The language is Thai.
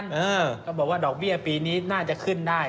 เออก็บอกว่าดอกเบี้ยปีนี้น่าจะขึ้นได้